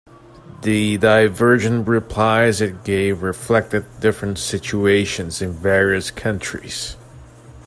The divergent replies it gave reflected different situations in various countries.